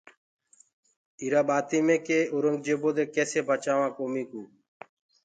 ايٚرآ ٻآتيٚ مي ڪي اورنٚگجيبو دي ڪيسي بچآوآنٚ ڪوميٚ ڪو پڇي